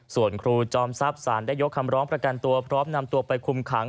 ส่วนครูจอมทรัพย์สารได้ยกคำร้องประกันตัวพร้อมนำตัวไปคุมขัง